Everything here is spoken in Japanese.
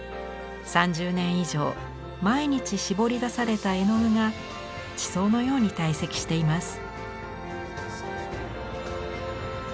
３０年以上毎日絞り出された絵の具が地層のように堆積しています。